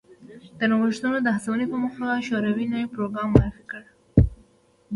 د نوښتونو د هڅونې په موخه شوروي نوی پروګرام معرفي کړ